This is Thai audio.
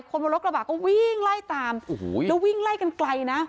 คนบนรถกระบะก็วิ่งไล่ตามโอ้โหแล้ววิ่งไล่กันไกลนะ